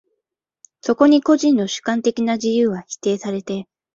そこに個人の主観的な自由は否定されて、